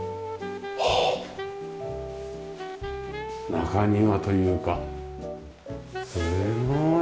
中庭というかすごいな。